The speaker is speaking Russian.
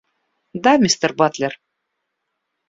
Да, мистер Батлер.